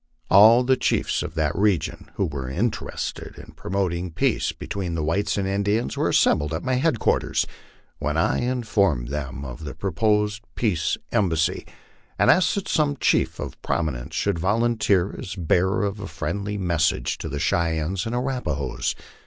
211 All the chiefs of that region who were interested in promoting peace be tween the whites and Indians were assembled at my headquarters, when I in formed them of the proposed peace embassy, and asked that some chief of prominence should volunteer as bearer of a friendly message to the Cheyennes and Anipahoes.